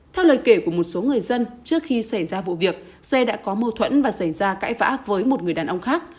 theo lời kể của một số người dân trước khi xảy ra vụ việc xe đã có mâu thuẫn và xảy ra cãi vã với một người đàn ông khác